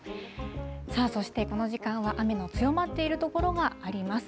さあ、そして、この時間は雨の強まっている所があります。